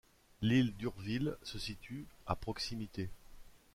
L'île d'Urville se situe à proximité.